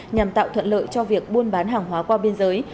nhằm tạo thuận lợi cho việc buôn bán hàng hóa qua biên giới